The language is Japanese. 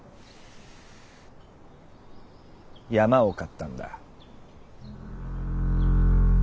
山を買ったんだ。